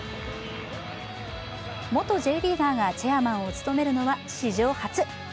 元Ｊリーガーがチェアマンを務めるのは史上初。